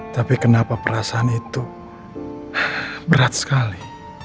tapi kenapa perasaan itu berat sekali